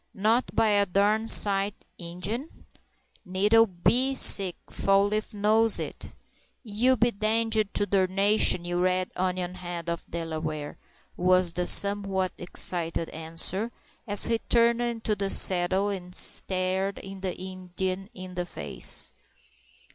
"Not by a darn sight, Ingen?" "Nettle be sick—Fall leaf knows it!" "You be danged to darnation, you red onion head of a Delaware!" was the somewhat excited answer, as he turned in the saddle and stared the Indian in the face.